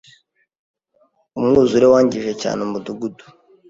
Umwuzure wangije cyane umudugudu.